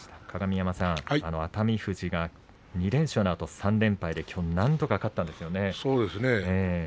鏡山さん、熱海富士が２連敗のあと３連勝できょうなんとか勝ったんですよね。